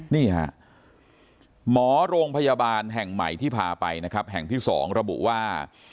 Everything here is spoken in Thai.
นี่ฮะหมอโรงพยาบาลแห่งใหม่ที่พาไปนะครับแห่งที่๒ระบุว่า